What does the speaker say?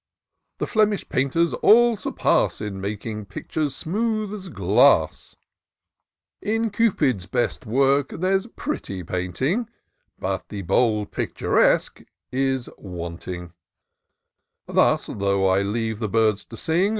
The Flemish painters all surpass In making pictures smooth as glass : In Cuyp's best works there's pretty painting, But the bold picturesque is wanting* "Thus, though I leave the birds to sing.